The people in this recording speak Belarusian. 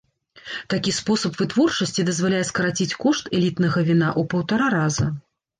Такі спосаб вытворчасці дазваляе скараціць кошт элітнага віна ў паўтара раза.